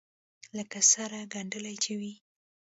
لکه سره گنډلې چې وي.